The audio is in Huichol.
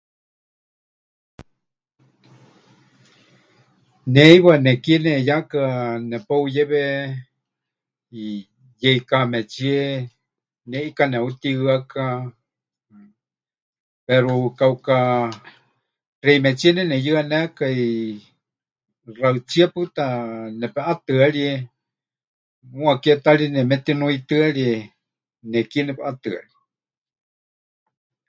Ne heiwa nekie neheyaka nepeuyewe, eh, yeikaametsíe neʼika neheutihɨaka, pero kauka xeimetsíe neneyɨanékai, xaɨtsíe pɨta nepeʼatɨarie, muuwa ke ta ri nemetinuitɨ́arie nekie nepɨʼatɨarie.